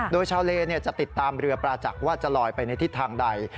โดยชาวเลจะติดตามเรือปราจักษ์ว่าจะลอยไปในทิศทางใด